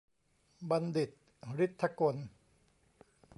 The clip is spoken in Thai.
บัณฑิต ฤทธิ์ถกล